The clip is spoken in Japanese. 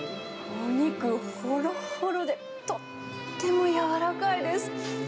お肉ほろほろで、とっても柔らかいです。